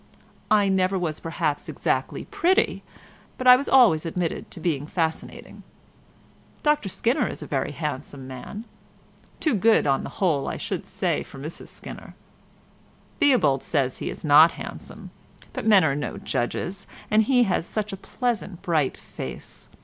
I never was perhaps exactly pretty, but I was always admitted to be fascinating. Dr Skinner is a very handsome man—too good on the whole I should say for Mrs Skinner. Theobald says he is not handsome, but men are no judges, and he has such a pleasant bright face.